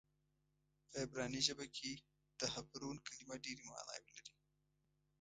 په عبراني ژبه کې د حبرون کلمه ډېرې معناوې لري.